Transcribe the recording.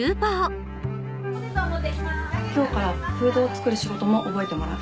今日からフードを作る仕事も覚えてもらう。